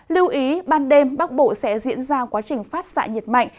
lưu ý ban đêm bắc bộ sẽ diễn ra quá trình phát xạ nhiệt mạnh